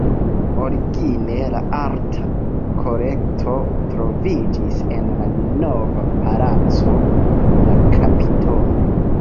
Origine la arta kolekto troviĝis en la "Nova Palaco" de la Kapitolo.